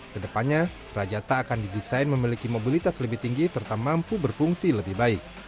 kedepannya rajata akan didesain memiliki mobilitas lebih tinggi serta mampu berfungsi lebih baik